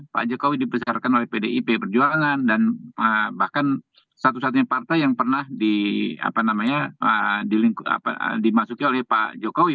pak jokowi dibesarkan oleh pdip perjuangan dan bahkan satu satunya partai yang pernah dimasuki oleh pak jokowi